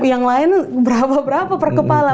yang lain berapa berapa per kepala